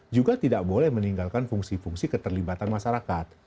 juga tidak boleh meninggalkan fungsi fungsi keterlibatan masyarakat